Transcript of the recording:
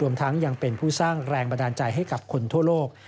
ทั้งยังเป็นผู้สร้างแรงบันดาลใจให้กับคนทั่วโลก